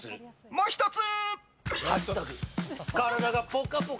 もう１つ！